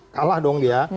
kalah dong dia